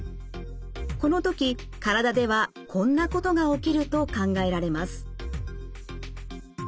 この時体ではこんなことが起きると考えられます。